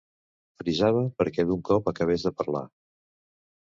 Frisava perquè d'un cop acabés de parlar.